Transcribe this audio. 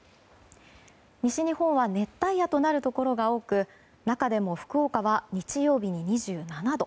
西日本は熱帯夜となるところが多く中でも福岡は日曜日に２７度。